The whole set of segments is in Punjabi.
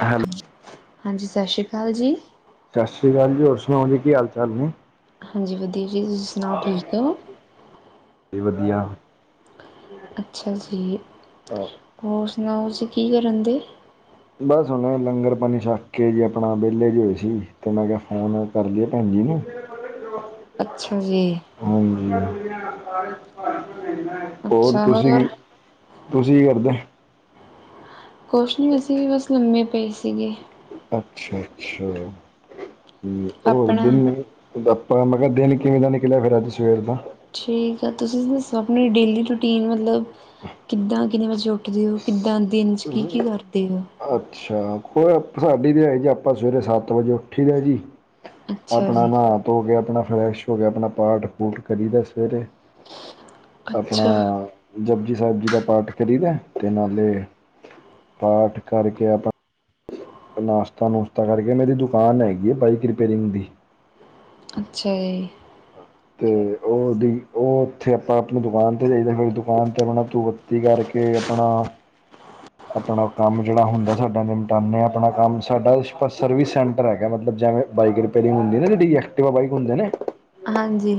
ਹੈਲੋ ਹਾਂਜੀ, ਸਤਿ ਸ਼੍ਰੀ ਅਕਾਲ ਜੀ। ਸਤਿ ਸ਼੍ਰੀ ਅਕਾਲ ਜੀ, ਹੋਰ ਸੁਣਾਓ ਜੀ, ਕੀ ਹਾਲ-ਚਾਲ ਨੇ? ਹਾਂਜੀ ਵਧੀਆ ਜੀ, ਤੁਸੀਂ ਸੁਣਾਓ, ਠੀਕ ਓ? ਜੀ ਵਧੀਆ। ਅੱਛਾ ਜੀ, ਹੋਰ ਸੁਣਾਓ ਤੁਸੀਂ ਕੀ ਕਰੰਦੇ? ਬਸ ਹੁਣ, ਲੰਗਰ ਪਾਣੀ ਛਕ ਕੇ ਜੀ ਅਪਣਾ ਵਿਹਲੇ ਜਿ ਹੋਏ ਸੀ, ਅਤੇ ਮੈਂ ਕਿਹਾ ਫੋਨ ਕਰ ਲਈਏ ਭੈਣ ਜੀ ਨੂੰ। ਅੱਛਾ ਜੀ। ਹਾਂਜੀ, ਹੋਰ ਤੁਸੀਂ ਤੁਸੀ ਕੀ ਕਰਦੇ? ਕੁਛ ਨਹੀਂ, ਅਸੀਂ ਵੀ ਬਸ ਲੰਮੇ ਪਏ ਸੀਗੇ। ਅੱਛਾ-ਅੱਛਾ, ਹੋਰ ਆਪਣਾ ਦਿੱਨੇ ਗੱਪਾ, ਮੈਂ ਕਿਹਾ ਦਿਨ ਕਿਵੇਂ ਦਾ ਨਿਕਲਿਆ ਫਿਰ ਅੱਜ ਸਵੇਰ ਦਾ? ਠੀਕ ਆ ਤੁਸੀਂ ਦੱਸੋ, ਅਪਣੀ ਡੇਲੀ ਰੂਟੀਨ ਮਤਲਬ ਕਿੱਦਾਂ, ਕਿੰਨੇ ਵਜੇ ਉੱਠਦੇ ਓ? ਕਿੱਦਾਂ, ਦਿਨ'ਚ ਕੀ-ਕੀ ਕਰਦੇ ਓ? ਅੱਛਾ, ਕੋ ਸਾਡੀ ਤਾਂ ਹੈ ਜੀ ਆਪਾਂ ਸਵੇਰੇ ਸੱਤ ਵਜੇ ਉੱਠੀ ਦਾ ਜੀ। ਅੱਛਾ ਅਪਣਾ ਜੀ ਨਹਾ-ਧੋਕੇ, ਅਪਣਾ ਫਰੈਸ਼ ਹੋਕੇ ਆਪਣਾ ਪਾਠ, ਪੂਠ ਕਰੀਦਾ ਸਵੇਰੇ। ਆਪਣਾ ਅੱਛਾ ਜਪੁ ਜੀ ਸਾਹਿਬ ਜੀ ਦਾ ਪਾਠ ਕਰੀਦਾ, ਤੇ ਨਾਲੇ ਪਾਠ ਕਰਕੇ ਆਪਾਂ ਨਾਸ਼ਤਾ-ਨੁਸ਼ਤਾ ਕਰਕੇ, ਮੇਰੀ ਦੁਕਾਨ ਹੈਗੀ ਏ, ਬਾਈਕ ਰਿਪੇਅਰਿੰਗ ਦੀ। ਅੱਛਾ ਜੀ। ਤੇ ਓਦੀ ਓ ਉੱਥੇ ਆਪਾਂ ਆਪਣੀ ਦੁਕਾਨ ਤੇ ਦੇ ਦੇਣਾ ਦੁਕਾਨ ਤੇ ਆਪਣਾ ਧੂਫ ਬੱਤੀ ਕਰਕੇ ਆਪਣਾ ਆਪਣਾ ਕੰਮ ਜਿਹੜਾ ਹੁੰਦਾ ਸਾਡਾ ਨਿਮਟਾਉਂਦੇ ਆਪਣਾ ਕੰਮ ਸਾਡਾ ਸਰਵਿਸ ਸੈਂਟਰ ਹੈਗਾ ਮਤਲਬ ਜਿਵੇਂ ਬਾਈਕ ਰਿਪਅਰਿੰਗ ਹੁੰਦੀ ਨਾ ਤੁਹਾਡੀ ਐਕਟਿਵਾ ਬਾਈਕ ਹੁੰਦੇ ਨੇ ਹਾਂਜੀ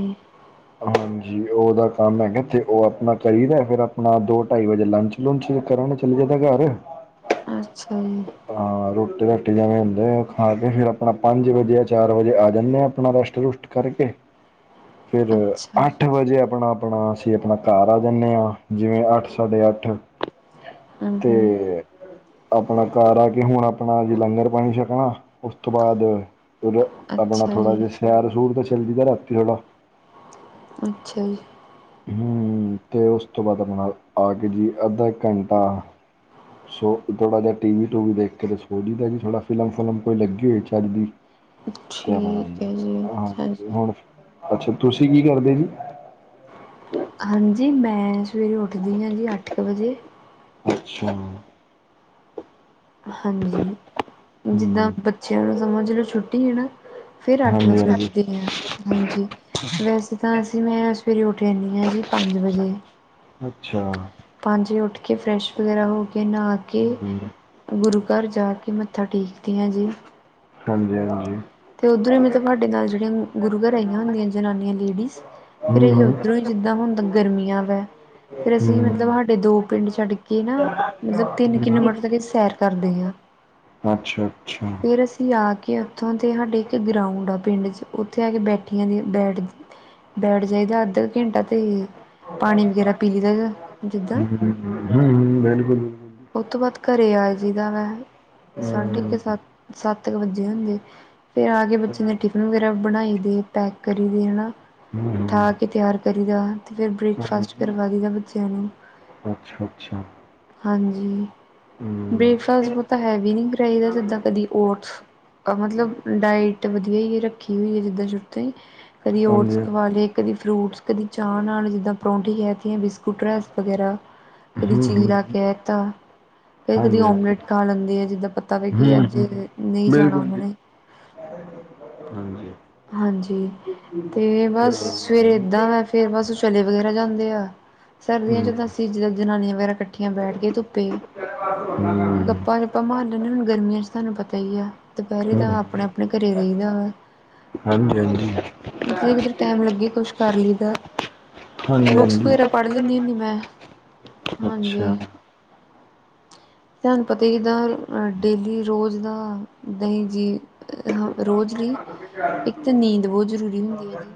ਹਾਂਜੀ ਉਹਦਾ ਕੰਮ ਹੈਗਾ ਇੱਥੇ ਉਹ ਆਪਣਾ ਚਾਹੀਦਾ ਦਾ ਫਿਰ ਆਪਣਾ ਦੋ ਢਾਈ ਵਜੇ ਲੰਚ ਲੰਚ ਸ਼ੇਅਰ ਕਰਾਂਗੇ ਚਲੀਏ ਤਾਂ ਘਰ ਅੱਛਾ ਜੀ ਹਾਂ ਰੋਟੀ ਰਾਟੀ ਜਿਵੇਂ ਹੁੰਦੇ ਆ ਉਹ ਖਾ ਕੇ ਫਿਰ ਆਪਣਾ ਪੰਜ ਵਜੇ ਜਾਂ ਚਾਰ ਵਜੇ ਆ ਜਾਂਦੇ ਹਾਂ ਆਪਣਾ ਰੈਸਟ ਰੁਸਟ ਕਰਕੇ ਫਿਰ ਅੱਛਾ ਅੱਠ ਵਜੇ ਆਪਣਾ ਆਪਣਾ [unintelligible] ਘਰ ਆ ਜਾਂਦੇ ਹਾਂ ਜਿਵੇਂ ਅੱਠ ਸਾਡੇ ਅੱਠ ਹਮ ਤੇ ਹਮ ਆਪਣਾ ਘਰ ਆ ਕੇ ਹੁਣ ਆਪਣਾ ਜੇ ਲੰਗਰ ਪਾਣੀ ਛਕਣਾ ਉਸ ਤੋਂ ਬਾਅਦ ਆਪਣਾ ਅੱਛਾ ਥੋੜਾ ਜੀ ਜਿਹਾ ਸੈਰ ਸੂਰ ਤਾਂ ਚੱਲੀ ਦਾ ਰਾਤੀ ਥੋੜ੍ਹਾ ਅੱਛਾ ਜੀ ਹੂੰ ਤੇ ਉਸ ਤੋਂ ਬਾਅਦ ਆਪਣਾ ਆ ਕੇ ਜੀ ਅੱਧਾ ਇੱਕ ਘੰਟਾ ਸੋ ਥੋੜਾ ਜਿਹਾ ਟੀਵੀ ਟੀਵੀ ਦੇਖ ਕੇ ਤਾਂ ਕੁਛ ਬੋਲੀ ਦਾ ਕਿ ਥੋੜਾ ਫਿਲਮ ਫੂਲਮ ਲੱਗੀ ਹੋਵੇ ਕੋਈ ਲੱਗੀ ਹੋਈ ਖਾਲੀ ਅੱਛੀ ਕੈਨੀ ਚੱਲ ਹਾਂਜੀ ਮੈਂ ਹੁਣ ਅੱਛਾ ਤੁਸੀਂ ਕੀ ਕਰਦੇ ਜੀ ਹਾਂਜੀ ਮੈਂ ਸਵੇਰੇ ਉੱਠਦੀ ਹਾਂ ਜੀ ਅੱਠ ਕੁ ਵਜੇ ਅੱਛਾ। ਹਾਂਜੀ ਜਿੱਦਾਂ ਹੂੰ ਬੱਚਿਆਂ ਨੂੰ ਸਮਝ ਲੋ ਛੁੱਟੀ ਹੈ ਨਾ ਫਿਰ ਅੱਠ ਹਾਂਜੀ ਵਜੇ ਹਾਂਜੀ ਉੱਠਦੇ ਗਿਆ ਹਾਂਜੀ ਵੈਸੇ ਤਾਂ ਅਸੀਂ ਮੈਂ ਸਵੇਰੇ ਉੱਠ ਜਾਂਦੀ ਹਾਂ ਜੀ ਪੰਜ ਵਜੇ ਅੱਛਾ। ਪੰਜ ਵਜੇ ਉੱਠ ਕੇ ਫਰੈਸ਼ ਵਗੈਰਾ ਹੋ ਕੇ ਨਹਾ ਕੇ ਹੂੰ ਗੁਰੂ ਘਰ ਜਾ ਕੇ ਮੱਥਾ ਟੇਕਦਿਆਂ ਜੀ ਹਾਂਜੀ [unintelligible] ਤੇ ਉੱਧਰੋਂ ਹੀ ਤੁਹਾਡੇ ਘਰ ਨਾਲ ਜਿਹੜੀਆਂ ਗੁਰੂ ਘਰ ਆਹੀਆਂ ਹੁੰਦੀਆਂ ਜਨਾਨੀਆਂ ਲੇਡੀਜ਼ ਫਿਰ ਹੂੰ ਇਹੀ ਹੂੰ ਉੱਧਰੋਂ ਹੀ ਜਿੱਦਾਂ ਹੁਣ ਦਾ ਗਰਮੀਆਂ ਵੇ ਫਿਰ ਅਸੀਂ ਮਤਲਬ ਹਾਡੇ ਦੋ ਪਿੰਡ ਛੱਡ ਕੇ ਨਾ ਮਤਲਬ ਤਿੰਨ ਹੂੰ ਕਿਲੋਮੀਟਰ ਤਕ ਅਸੀਂ ਸੈਰ ਕਰਦੇ ਹਾਂ। ਅੱਛਾ- ਅੱਛਾ। ਫਿਰ ਅਸੀਂ ਆ ਕੇ ਉੱਥੋਂ ਉੱਥੇ ਹਾਡੇ ਇੱਕ ਗਰਾਊਂਡ ਆ ਪਿੰਡ ' ਉੱਥੇ ਆ ਕੇ ਬੈਠੀਆਂ ਦੀ ਬੈਠ ਬੈਠ ਜਾਈਦਾ ਹਾਡੇ ਅੱਧਾ ਘੰਟਾ ਤੇ ਪਾਣੀ ਵਗੈਰਾ ਪੀ ਲਈ ਦਾ ਜਿੱਦਾਂ ਹੂੰ ਹੂੰ ਬਿਲਕੁਲ ਬਿਲਕੁਲ ਉੱਤੋਂ ਬਾਅਦ ਘਰੇ ਆ ਜਾਈਦਾ ਵੇ ਸਾਢੇ ਕੇ ਸੱਤ ਸੱਤ ਕੁ ਵੱਜੇ ਹੁੰਦੇ ਫਿਰ ਆ ਕੇ ਬੱਚੇ ਦੇ ਟਿਫਿਨ ਵਗੈਰਾ ਬਣਾਈ ਦੀ ਪੈਕ ਕਰੀ ਹਨਾ ਹੂੰ ਹੂੰ ਠਾ ਕੇ ਤਿਆਰ ਕਰੀ ਦਾ ਤੇ ਫਿਰ ਬ੍ਰੇਕਫਾਸਟ ਹੂੰ ਕਰਵਾ ਦਈ ਦਾ ਬੱਚਿਆਂ ਨੂੰ ਅੱਛਾ ਅੱਛਾ ਹਾਂਜੀ ਹੂੰ ਬ੍ਰੇਕਫਾਸਟ ਬਹੁਤਾ ਹੈਵੀ ਨਹੀਂ ਕਰਾਈ ਦਾ ਜਿੱਦਾਂ ਕਦੀ ਓਟਸ ਮਤਲਬ ਡਾਇਟ ਵਧੀਆ ਹੀ ਰੱਖੀ ਹੋਈ ਹੈ ਜਿੱਦਾਂ ਜੁੱਤੇ ਕਦੀ ਹਾਂਜੀ ਓਟਸ ਖਵਾ ਹਾਂਜੀ ਲਏ ਕਦੀ ਫਰੂਟਸ ਕਦੀ ਚਾਹ ਨਾਲ ਜਿੱਦਾਂ ਪਰੌਂਠੀ ਹੈ ਗਏ ਹੈ ਬਿਸ ਸਕੂਟ ਵਗੈਰਾ ਕਦੀ ਹੂੰ ਚੀਨੀ ਲਾ ਹੂੰ ਕੇ ਤਾ ਕਦੇ ਕਦੀ ਹਾਂਜੀ ਹਾਂਜੀ ਓਮਲੇਟ ਖਾਣ ਆਉਂਦੇ ਆ ਜਿੱਦਾਂ ਪਤਾ ਵੀ ਕਿ ਹੂੰ ਅੱਜ ਹੂੰ ਨਹੀਂ ਜਾਣਾ ਬਿਲਕੁਲ ਉਹਨਾਂ ਜੀ ਨੇ ਹਾਂਜੀ ਹਾਂਜੀ ਤੇ ਬਸ ਸਵੇਰੇ ਏਦਾਂ ਵ ਤੇ ਫੇਰ ਬਸ ਉਹ ਚਲੇ ਵਗੈਰਾ ਜਾਂਦੇ ਆ ਸਰਦੀਆਂ ਹਮ, ਚ ਤਾਂ ਅਸੀ ਜਿੱਦਾਂ ਜਨਾਨੀਆਂ ਵਗੈਰਾ ਇਕੱਠੀਆਂ ਬੈਠ ਕੇ ਧੁੱਪੇ ਹੂੰ ਭਾਂ ਮਾਰ ਲੈਂਦੇ ਹੁਣ ਗਰਮੀਆਂ ਤੁਹਾਨੂੰ ਪਤਾ ਹੀ ਹੈ ਦੁਪਹਿਰੇ ਦਾ ਹਮ, ਆਪਣੇ ਆਪਣੇ ਘਰੇ ਰਹੀਦਾ ਵਾ ਹਾਂਜੀ ਹਾਂਜੀ ਜੇ ਕਿਧਰੇ ਟੈਮ ਲੱਗੇ ਕੁਛ ਕਰ ਲਈ ਦਾ ਹਾਂਜੀ ਬੁੱਕਸ ਹਾਂਜੀ ਵਗੈਰਾ ਪੜ੍ਹ ਲੈਂਦੀ ਹੁੰਦੀ ਮੈਂ ਹਾਂਜੀ ਅੱਛਾ ਤੁਹਾਨੂੰ ਪਤਾ ਹੀ ਜਿੱਦਾਂ ਡੇਲੀ ਰੋਜ਼ ਦਾ ਦਹੀਂ ਜੀ ਹ ਰੋਜ਼ ਦੀ ਇੱਕ ਤਾਂ ਨੀਂਦ ਬਹੁਤ ਜ਼ਰੂਰੀ ਹੁੰਦੀ ਹੈ ਜੀ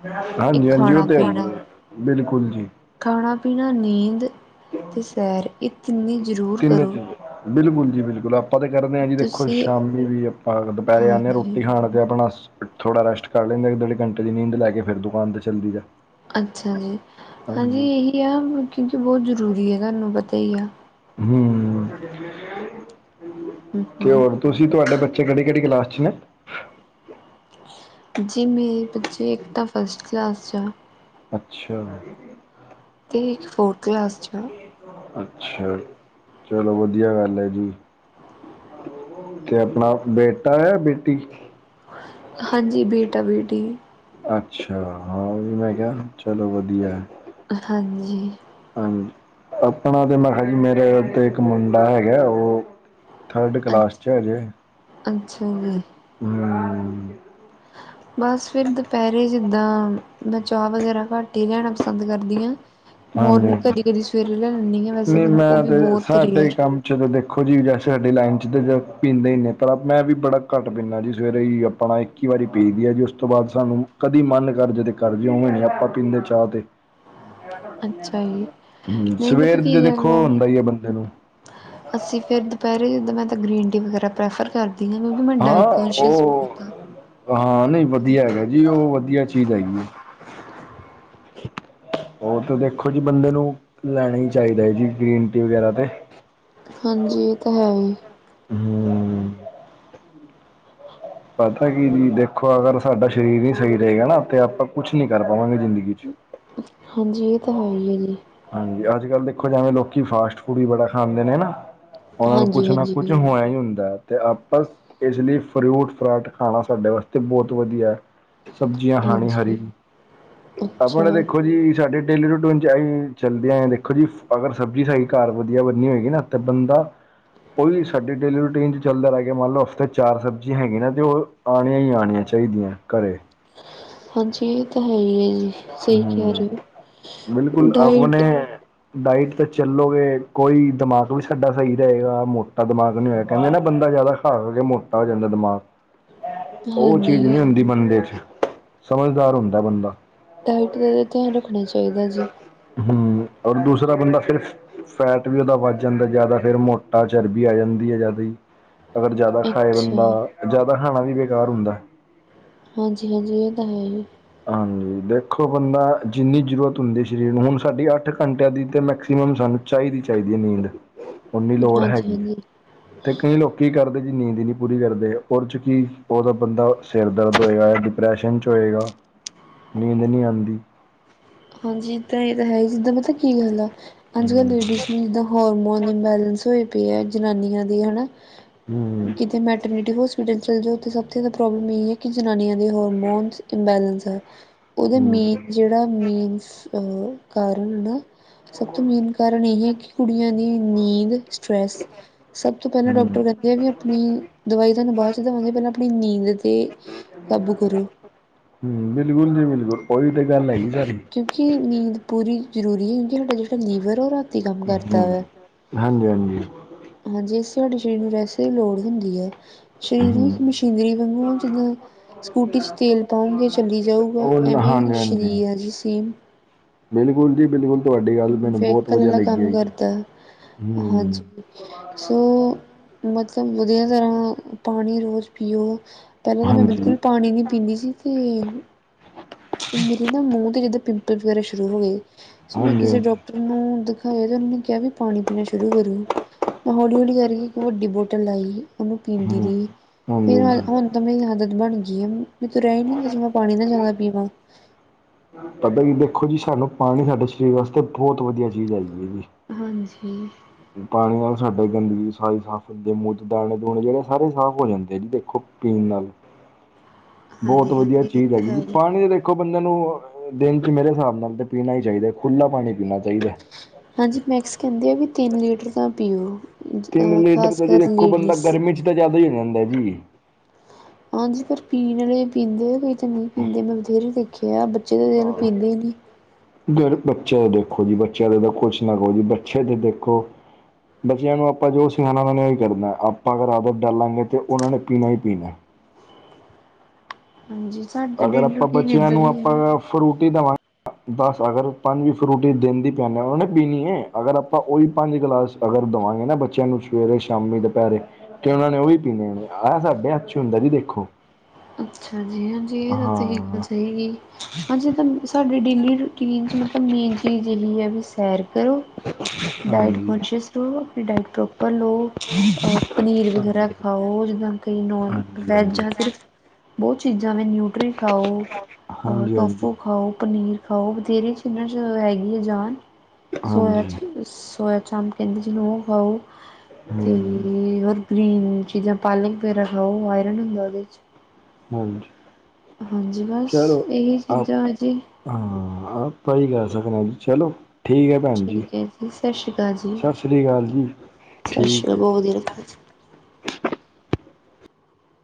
ਇੱਕ ਹਾਂਜੀ ਹਾਂਜੀ ਉਹ ਖਾਣਾ ਤੇ ਹੈ ਹੀ ਪੀਣਾ ਹੈ ਬਿਲਕੁਲ ਜੀ ਖਾਣਾ ਪੀਣਾ ਨੀਂਦ ਤੇ ਸੈਰ ਇਹ ਤਿੰਨੇ ਜ਼ਰੂਰ ਤਿੰਨੇ ਕਰੋ ਤਿੰਨੇ ਬਿਲਕੁਲ ਜੀ ਬਿਲਕੁਲ ਆਪ ਆਪਾਂ ਤਾਂ ਕਰਦੇ ਹਾਂ ਜੀ ਦੇਖੋ ਤੁਸੀਂ ਸ਼ਾਮੀ ਵੀ ਆਪਾਂ ਦੁਪਹਿਰੇ ਆਨੇ ਆ ਹਾਂਜੀ ਰੋਟੀ ਖਾਣ ਤੇ ਆਪਣਾ ਥੋੜਾ ਰੈਸਟ ਕਰ ਲੈਂਦੇ ਇੱਕ ਡੇਢ ਘੰਟੇ ਦੀ ਨੀਂਦ ਲੈ ਕੇ ਫਿਰ ਦੁਕਾਨ ਤੇ ਚੱਲਜੀ ਦਾ ਅੱਛਾ ਜੀ ਹਾਂਜੀ ਇਹੀ ਆ ਕਿਉਂਕਿ ਬਹੁਤ ਜ਼ਰੂਰੀ ਹੈ ਤੁਹਾਨੂੰ ਪਤਾ ਹੀ ਆ ਹੂੰ ਹਮ ਤੇ ਹੋਰ ਹਮ ਤੁਸੀਂ ਤੁਹਾਡੇ ਬੱਚੇ ਕਿਹੜੀ ਕਿਹੜੀ ਕਲਾਸ 'ਚ ਨੇ ਜੀ ਮੇਰੇ ਬੱਚੇ ਇੱਕ ਤਾਂ ਫਸਟ ਕਲਾਸ 'ਚ ਆ ਅੱਛਾ ਅਤੇ ਇੱਕ ਫੋਰਥ ਕਲਾਸ 'ਚ ਆ ਅੱਛਾ ਚਲੋ ਵਧੀਆ ਗੱਲ ਐ ਜੀ ਤੇ ਆਪਣਾ ਬੇਟਾ ਹੈ ਬੇਟੀ ਹਾਂਜੀ ਬੇਟਾ ਬੇਟੀ ਅੱਛਾ, ਹਾਂ ਮੈਂ ਕਿਹਾ ਚਲੋ ਵਧੀਆ ਹਾਂਜੀ ਹਾਂਜੀ ਆਪਣਾ ਤੇ ਮੈਂ ਖਾ ਜੀ ਮੇਰੇ ਤੇ ਇੱਕ ਮੁੰਡਾ ਹੈਗਾ ਉਹ, ਥਰਡ ਕਲਾਸ ਅੱਛ ਚ ਹਜੇ ਅੱਛਾ ਜੀ [inaudible] ਬਸ ਫਿਰ ਦੁਪਹਿਰੇ ਜਿੱਦਾਂ ਮੈਂ ਚਾਹ ਵਗੈਰਾ ਘੱਟ ਹੀ ਲੈਨਾ ਪਸੰਦ ਕਰਦੀ ਆ ਹਾਂਜੀ ਮੋਰਨਿੰਗ ਹਾਂਜੀ ਕਦੀ ਕਦੀ ਸਵੇਰੇ ਲੈ ਲੈਂਦੀ ਆ ਵੈਸੇ ਤਾਂ ਉਹ ਵੀ ਬਹੁਤ ਰੇਅਰ ਚਲੋ ਦੇਖੋ ਜੀ ਵੈਸੇ ਸਾਡੀ ਲਾਈਨ 'ਚ ਤਾਂ ਪੀਂਦੇ ਹੀ ਨੇ ਪਰ ਮੈਂ ਵੀ ਬੜਾ ਘੱਟ ਪੀਂਦਾ ਜੀ ਸਵੇਰੇ ਹੀ ਆਪਣਾ ਇੱਕ ਇੱਕੀ ਵਾਰ ਪੀ ਦੀ ਆ ਜੀ ਉਸ ਤੋਂ ਬਾਅਦ ਸਾਨੂੰ ਕਦੀ ਮਨ ਕਰ ਜੇ ਤੇ ਕਰ ਜੇ ਨਹੀਂ ਨਹ ਆਪਾਂ ਪੀਂਦੇ ਚਾਹ ਤੇ ਅੱਛਾ ਜੀ, ਨਹੀਂ ਪਤਾ ਸਵੇਰ ਕੀ ਦੇ ਗੱਲ ਆ ਦੇਖੋ ਹੁੰਦਾ ਈ ਐ ਬੰਦੇ ਨੂੰ, ਅਸੀਂ ਫਿਰ ਦੁਪਹਿਰੇ ਜਿੱਦਾਂ ਮੈਂ ਤਾਂ ਗ੍ਰੀਨ ਟੀ ਵਗੈਰਾ ਪ੍ਰੈਫਰ ਕਰਦੀ ਹਾਂ ਕਿਉਂਕਿ ਮੈਂ ਡਾਇਟ ਹਾਂ ਕੌਨਸ਼ੀਅਸ ਉਹ, ਬਹੁਤ ਹਾਂ। ਹਾਂ ਨਹੀਂ ਵਧੀਆ ਹੈਗਾ ਹਾਂਜੀ, ਜੀ ਉਹ ਵਧੀਆ, ਚੀਜ਼ ਹੈਗੀ, ਉਹ ਤੇ ਦੇਖੋ ਜੀ ਬੰਦੇ ਨੂੰ ਲੈਣਾ ਹੀ ਚਾਹੀਦਾ ਜੀ ਗ੍ਰੀਨ ਟੀ ਵਗੈਰਾ ਤੇ, ਹਾਂਜੀ ਇਹ ਤਾਂ ਹੈ ਈ, ਹੂੰ ਪਤਾ ਕੀ ਜੀ ਦੇਖੋ ਅਗਰ ਸਾਡਾ ਸਰੀਰ ਨ ਸਹੀ ਰਹੇਗਾ ਨਾ ਤੇ ਆਪਾਂ ਕੁਛ ਨੀ ਕਰ ਪਾਵਾਂਗੇ ਜ਼ਿੰਦਗੀ ਚ,, ਹਾਂਜੀ ਇਹ ਤਾਂ ਹੈ ਈ ਆ ਜੀ! ਹਾਂਜੀ ਅੱਜ ਕੱਲ੍ਹ ਦੇਖੋ ਜਾਵੇਂ ਲੋਕੀ ਫਾਸਟ ਫੂਡ ਵੀ ਬੜਾ ਖਾਂਦੇ ਨੇ ਨਾ, ਉਹਨਾਂ ਨੂੰ ਹਾਂਜੀ, ਕੁਛ ਨਾ ਕੁਝ ਹਾਂਜੀ, ਹੋਇਆ ਈ ਹੁੰਦਾ, ਅਤੇ ਆਪ ਇਸ ਲਈ ਫਰੂਟ ਫਰਾਟ ਖਾਣਾ ਸਾਡੇ ਵਾਸਤੇ ਬਹੁਤ ਵਧੀਆ ਐ ਸਬਜ਼ੀਆਂ ਖਾਣੀ ਹਾਂਜੀ। ਹਰੀ-ਹਰੀ, ਅੱਛਾ, ਆਪਣਾ ਦੇਖੋ ਜੀ, ਸਾਡੇ ਡੇਲੀ ਰੂਟਨ ਚ ਆਈ ਚੱਲਦੇ ਆ। ਦੇਖੋ ਜੀ ਅਗਰ ਸਬਜ਼ੀ ਸਾਡੀ ਘਰ ਵਧੀਆ ਬੰਨੀ ਹੋਏਗੀ। ਨਾ ਤੇ ਬੰਦਾ ਉਹੀ ਸਾਡੀ ਡੇਲੀ ਰੂਟੀਨ ਚ ਚੱਲਦਾ ਰਹਿ ਗਿਆ। ਮੰਨ ਲਓ ਹਫ਼ਤੇ ਚਾਰ ਸਬਜ਼ੀਆਂ ਹੈਗੀਆਂ। ਨਾ ਤੇ ਉਹ ਆਣੀਆਂ ਹੀ ਆਣੀਆਂ ਚਾਹੀਦੀਆਂ ਘਰੇ ਹਾਂਜੀ, ਇਹ ਤਾਂ ਹੈ ਹੀ ਹੈ। ਜੀ ਸਹੀ ਕਹਿ ਹੂੰ ਰਹੀ ਹੈ। ਬਿਲਕੁਲ ਡਾਇਟ ਆਪਣੇ ਡਾਇਟ, ਤਾਂ ਚੱਲੋਗੇ ਕੋਈ ਦਿਮਾਗ ਵੀ ਸਾਡਾ ਸਹੀ ਰਹੇਗਾ, ਮੋਟਾ ਦਿਮਾਗ ਨਹੀਂ ਹੋਇਆ। ਕਹਿੰਦੇ ਨਾ ਬੰਦਾ ਜ਼ਿਆਦਾ ਹਰ ਵਾਰ ਮੋਟਾ ਹੋ ਜਾਂਦਾ ਦਿਮਾਗ। [inaudible] ਉਹ ਚੀਜ਼ ਹਾਂਜੀ, ਨਹੀਂ ਹੁੰਦੀ ਬੰਦੇ ਚ, ਸਮਝਦਾਰ ਹੁੰਦਾ ਬੰਦਾ। ਡਾਇਟ, ਦਾ ਤਾ ਧਿਆਨ ਰੱਖਣਾ ਚਾਹੀਦਾ ਜੀ। ਹੂ, ਅਗਰ ਦੂਸਰਾ ਬੰਦਾ ਫਿਰ ਫੈਟ ਵੀ ਉਹਦਾ ਵੱਧ ਜਾਂਦਾ। ਜ਼ਿਆਦਾ ਫੇਰ ਮੋਟਾ ਚਰਬੀ ਆ ਜਾਂਦੀ ਹੈ। ਜ਼ਿਆਦਾ ਹੀ ਅਗਰ, ਜ਼ਿਆਦਾ ਖਾਏ ਅੱਛਾ, ਬੰਦਾ ਜ਼ਿਆਦਾ ਖਾਣਾ ਵੀ ਬੇਕਾਰ ਹੁੰਦਾ। ਹਾਂਜੀ-ਹਾਂਜੀ, ਇਹ ਤਾਂ ਹੈ। ਹਾਂਜੀ, ਦੇਖੋ ਬੰਦਾ ਜਿੰਨੀ ਜ਼ਰੂਰਤ ਹੁੰਦੀ। ਸਰੀਰ ਨੂੰ ਹੁਣ ਸਾਡੀ ਅੱਠ ਘੰਟਿਆਂ ਦੀ ਤਾਂ ਮੈਕਸੀਮਮ ਸਾਨੂੰ ਚਾਹੀਦੀ-ਚਾਹੀਦੀ ਨੀਂਦ ਉਨੀ ਲੋੜ ਹਾਂਜੀ, ਹੈਗੀ ਹੈ। ਹਾਂਜੀ। ਤੇ ਕਈ ਲੋਕ ਕੀ ਕਰਦੇ ਜੀ ਨੀਂਦ ਹੀ ਨਹੀਂ ਪੂਰੀ ਕਰਦੇ ਉਹਦੇ ਚ ਕੀ ਉਹਦਾ ਬੰਦਾ ਸਿਰ ਦਰਦ ਹੋਏਗਾ ਜਾਂ ਡਿਪਰੈਸ਼ਨ ਚ ਹੋਏਗਾ। ਨੀਂਦ, ਨਹੀਂ ਆਦੀ। ਹਾਂਜੀ, ਇਹ ਤਾਂ ਹੈ। ਜੇ ਜਿੱਦਾਂ ਮਤਲਬ, ਕੀ ਗੱਲ ਆ ਅੱਜ ਕੱਲ੍ਹ ਹੂੰ ਲੇਡੀਜ਼ ਨੂੰ ਜਿੱਦਾਂ ਹੋਰਮੋਨ ਇਨਬਾਲੰਸ ਪਏ ਹੈ। ਜਨਾਨੀਆਂ ਦੀ ਹਨਾ। ਹੂੰ ਕਿਤੇ ਮੈਡ ਮਿਡ ਹੌਸਪੀਟਲ ਚਲ ਜੋ ਸਬ ਤੋ ਜ਼ਿਆਦਾ ਪ੍ਰਾਪਬਲਮ ਇਹੀ ਹੈ, ਕੇ ਜਨਾਨੀਆਂ ਦੀ ਹੋਰਮੋਨ ਇੰਬੈਲੈਂਸ ਆ। ਉਹਦੇ ਹੂੰ ਮੇਨ ਜਿਹੜਾ ਮੇਨ ਉਹ ਕਾਰਨ ਨਾ ਸਭ ਤੋਂ ਮੇਨ ਕਾਰਨ ਇਹ ਹੀ ਹੈ। ਕਿ ਕੁੜੀਆਂ ਦੀ ਨੀਂਦ ਸਟਰ੍ਰੈਸ ਸਭ ਤੋਂ ਪਹਿਲਾਂ ਡਾਕਟਰ ਹੂੰ ਕਹਿੰਦੇ ਆ ਵੀ ਆਪਣੀ ਦਵਾਈ ਤੁਹਾਨੂੰ ਬਾਅਦ ਚ ਦਵਾਂਗੇ। ਪਹਿਲਾਂ ਆਪਣੀ ਨੀਂਦ, ਤੇ ਕਾਬੂ ਕਰੋ। ਹੂ, ਬਿਲਕੁਲ ਜੀ ਬਿਲਕੁਲ, ਉਹੀ ਤੇ ਗੱਲ ਹੈ। ਗਈ ਸਾਰੀ [unintelligible] ਹੂ, ਕਰਦਾ ਹਾਂਜੀ-ਹਾਂਜੀ। ਹਾਂਜੀੇ, ਸਾਡੇ ਸਰੀਰ ਨੂੰ ਰੈਸਟ ਦੀ ਲੋੜ ਹੁੰਦੀ ਹੈ। ਸਰੀਰ, ਹੂੰ ਮਸ਼ੀਨਰੀ ਵਾਂਗੂ ਜਿੱਦਾਂ ਸਕੂਟੀ 'ਚ ਤੇਲ ਪਾਉਂਗੇ ਚੱਲ ਜਾਊਗਾ। ਉਹ ਐਵੇਂ ਹਾਂਜੀ ਹਾਂਜੀ। ਸਰੀਰ ਆ ਜੀ ਸੇਮ। ਬਿਲਕੁਲ ਜੀ ਬਿਲਕੁਲ, ਤੁਹਾਡੀ ਗੱਲ ਮੈਨੂੰ ਬਹੁਤ ਵਹੀਕਲ ਵਧੀਆ ਵਾਲਾ ਲੱਗੀ ਹੈ। ਕੰਮ ਜੀ ਕਰਦਾ ਹੂ। ਹਾਂਜੀ ਸੋ ਮਤਲਬ, ਵਧੀਆ ਤਰ੍ਹਾਂ ਪਾਣੀ ਰੋਜ਼ ਪੀਓ। ਪਹਿਲਾਂ ਤਾਂ ਮੈਂ ਹਾਂਜੀ ਬਿਲਕੁਲ, ਹਾਂਜੀ ਪਾਣੀ ਨਹੀਂ ਪੀਂਦੀ ਸੀ। ਤੇ ਮੇਰੇ ਨਾ ਮੂੰਹ ਤੇ ਜਦੋਂ ਪਿੰਪਲ ਵਗੈਰਾ ਸ਼ੁਰੂ ਹੋ ਗਏ। ਸੋ ਮੈਂ ਕਿਸੇ ਹਾਂਜੀ ਡਾਕਟਰ ਉਹਨੂੰ ਦਿਖਾਇਆ ਤੇ ਉਹਨਾਂ ਨੇ ਕਿਹਾ ਵੀ ਪਾਣੀ ਪੀਣਾ ਸ਼ੁਰੂ ਕਰੋ। ਮੈਂ ਹੌਲੀ-ਹੌਲੀ ਕਰਕੇ ਇੱਕ ਵੱਡੀ ਬੋਟਲ ਲਾਈ ਉਹਨੂੰ ਪੀਂਦੀ ਹੂੰ ਰਹੀ। ਹਾਂਜੀ ਫੇਰ ਹਾਂਜੀ। ਹੁਣ ਤਾਂ ਮੇਰੀ ਆਦਤ ਬਣ ਗਈ ਆ। ਮੈਂ ਤੂੰ ਰਹਿ ਹੀ ਨੀ ਹੁੰਦਾ ਸੀ। ਮੈਂ ਪਾਣੀ ਨਾ ਜ਼ਿਆਦਾ ਪੀਵਾਂ। ਪਤਾ ਜੀ ਦੇਖੋ, ਜੀ ਸਾਨੂੰ ਪਾਣੀ ਸਾਡੇ ਸਰੀਰ ਵਾਸਤੇ ਬਹੁਤ ਵਧੀਆ ਚੀਜ਼ ਹੈਗੀ ਹੈ ਜੀ। ਹਾਂਜੀ। ਪਾਣੀ ਨਾਲ ਸਾਡੇ ਗੰਦਗੀ ਸਾਰੀ ਸਾਫ਼ ਦਾਣੇ ਦੂਣੇ ਜਿਹੜੇ ਸਾਰੇ ਸਾਫ਼ ਹੋ ਜਾਂਦੇ ਆ। ਜੀ ਦੇਖੋ ਪੀਣ ਨਾਲ [unintelligible] ਬੋਤ ਵਧੀਆ ਇਹ ਚੀਜ਼ ਤਾਂ ਹੈਗੀ। ਹੈ ਹੀ। ਨੁਕਸਾਨ ਨੀ ਏਦੇ ਖੋ ਬੰਦੇ ਨੂੰ ਦਿਨ ਚ ਮੇਰੇ ਹਿਸਾਬ ਨਾਲ ਤੇ ਪੀਣਾ ਈ ਚਾਈਦੈ ਖੁੱਲਾ ਪਾਣੀ ਪੀਣਾ ਚਾਈਦੈ। ਹਾਂਜੀ ਮੈਕਸ ਕੈਂਦੇ ਆ ਵੀ ਤਿੰਨ ਲੀਟਰ ਤਾਂ ਪੀ ਔ।। ਤਿੰਨ ਲੀਟਰ ਤਾਂ ਜੀ ਦੇਖੋ ਬੰਦਾ ਗਰਮੀ ਚ ਤਾਂ ਜ਼ਿਆਦਾ ਈ ਹੋ ਜਾਂਦਾ ਜੀ। ਹਾਂਜੀ ਪਰ ਪੀਣ ਅਲੇ ਪੀਂਦੇ ਕੋਈ ਤਾਂ ਨੀ ਪੀਂਦੇ ਮੈਂ ਬਥੇਰੇ ਦੇਖ ਕਯਾ ਬੱਚੇ ਤਾਂ ਮੇਰੇ ਪੀਂਦੇ ਈ ਨੀ ਗੁੜ ਬੱਚੈ ਦੇਖੋ ਜੀ ਬੱਚੇਯਾ ਦਾ ਦੇਖੋ ਕੁਛ ਨਾ ਕਹੋ ਜੀ [unintelligible] ਬੱਚਿਆਂ ਦੇ ਦੇਖੋ ਬੱਚਿਆਂ ਨੂੰ ਆਪਾਂ ਜੋ ਸਿਖਾਣਾ ਔਨਾਂ ਨੇ ਔਈ ਕਰਨਾ ਆਪਾਂ ਅਗਰ ਆਦਤ ਡਾਲਾਂਗੇ ਤੇ ਪੀਨਾਂ ਈ ਪੀਨੈ। ਹਾਂਜੀ ਸਾਡ ਅਗਰ ਆਪਾਂ ਬੱਚਿਆਂ ਨੂੰ ਆਪਾਂ ਫਰੂਟੀ ਦੇਵਾਂ ਬਸ ਅਗਰ ਪੰਜ ਫਰੂਟੀ ਦੇਣ ਦੀ ਪੇਯਾਨੇ ਵਾਨਾ ਵੀ ਜਿਵੇਂ ਅਗਰ ਆਪਾਂ ਔਈ ਪੰਜ ਗਲਾਸ। ਅਗਰ ਦਵਾਂਗੇ ਨਾ ਬੱਚੇਯਾ ਨੂੰ ਸਵੇਰੇ, ਸ਼ਾਮੀ, ਦੁਪੈਰੇ, ਤੇ ਔਨਾ ਨੇ ਔਵੀ ਪੀਂਣੇ ਨੇ ਆਹ ਸਾਡੇ ਹੱਥੇ ਚ ਹੁੰਦਾ ਜੀ ਦੇਖੋ। ਅੱਛਾ ਜੀ। ਹਾਂਜੀ ਏਤਾਂ ਤਰੀਕਾ ਹਾਂ ਸਈ ਬੀ ਹਾਂਜੀ ਏ ਤਾਂ ਸ ਜੇ ਡੇਲੀ ਰੂਟੀਨ ਚ ਮਤਲਬ ਮੇਨ ਚੀਜ਼ ਏਹੀ ਹੈ ਵੀ ਸੈਰ ਕਰੋ ਡਾਇਟ ਹਾਂਜੀ ਕੋਂਨਸ਼ੀਅਸ ਸਕਰੂ ਹੈ। ਡਾਇਟ ਪ੍ਰੋਪਰ ਲੋ। ਅਹ ਪਨੀਰ ਵਗੈਰਾ ਹਾਂਜੀ ਖਾ ਔ ਜਿੱਦਾਂ ਕਿ ਨੋਨ- ਹਾਂਜੀ ਹਾਂਜੀ ਵੈਜ ਹਾਂਜੀ ਆ ਫੇਰ ਬੋਤ ਚੀਜ਼ਾਂ ਨੇ ਨਿੳਟਰੀ ਖਾ ਔ ਅ ਪੋਫੋ ਖਾ ਔ ਪਨੀਰ ਖਾ ਔ ਬਥੇਰੇਆ ਚਿਜਾ ਚ ਹੈਗੀ ਆ ਜਾਨ। ਸੋਯਾ ਹਾਂਜੀ ਹਾਂਜੀ ਚ ਵੀ ਸੋਇਆ ਚਾਪ ਕੈਂਦੇ ਜਿਨੂੰ ਔ ਖਾ ਔ ਤੇ‌‌ ਹਮ ਤੇ ਹਰ ਗ੍ਰੀਨ ਚੀਜ਼ਾਂ ਪਾਲਕ ਵਗੈਰਾ ਖਾ ਔ ਆਇਰਨ ਹੁੰਦਾ ਔਦੇ 'ਚ ਹਾਂਜੀ। ਹਾਂਜੀ ਬਸ ਚਲੋ ਏਹੀ ਆਪ ਚੀਜ਼ਾਂ ਮਤਲਬ ਹਾਂ ਆਪਾਂ ਈ ਕੈ ਸਕਨੇ ਆ ਜੀ ਚਲੋ। ਠੀਕ ਏ ਭੈਣ ਜੀ ਠੀਕ ਹੈ ਸਤਿ ਸਸਰੀ ਕਾਲ ਜੀ। ਸਸ਼ੀ ਠੀਕ ਹੈ ਕਾਲ ਜੀ ਬਹਤ [unintelligible]